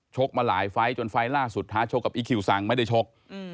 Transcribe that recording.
กมาหลายไฟล์จนไฟล์ล่าสุดท้าชกกับอีคิวซังไม่ได้ชก